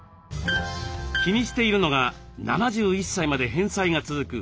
気にしているのが７１歳まで返済が続く